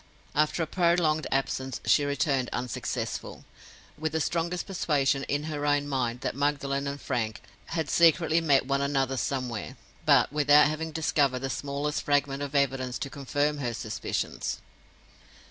After a prolonged absence, she returned unsuccessful—with the strongest persuasion in her own mind that Magdalen and Frank had secretly met one another somewhere, but without having discovered the smallest fragment of evidence to confirm her suspicions.